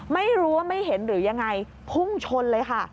ไม่รู้ว่าไม่เห็นหรือยังไงพุ่งชนเลยค่ะ